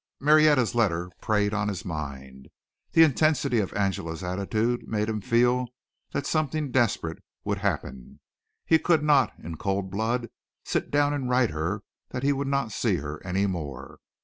Marietta's letter preyed on his mind. The intensity of Angela's attitude made him feel that something desperate would happen. He could not, in cold blood, sit down and write her that he would not see her any more.